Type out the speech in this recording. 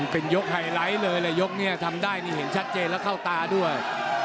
เป็นยกไฮไลท์เลยเลยยกนี้ทำได้นี่เห็นชัดเจนแล้วเข้าตาด้วย